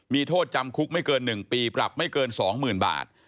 มีโทษจำคุกไม่เกิน๑ปีปรับไม่เกิน๒๐๐๐บาท